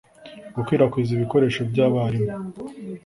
gukwirakwiza ibikoresho by'abarimu